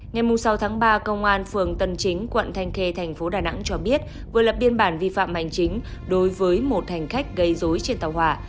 ngày sáu tháng ba công an phường tân chính quận thanh khê thành phố đà nẵng cho biết vừa lập biên bản vi phạm hành chính đối với một hành khách gây dối trên tàu hòa